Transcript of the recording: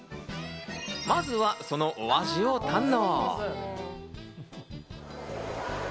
まずはそのお味を堪能。